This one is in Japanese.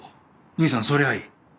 兄さんそれはいい。